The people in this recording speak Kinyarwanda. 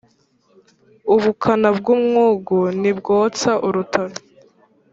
Ubukana bw’umwungu ntibwotsa urutaro.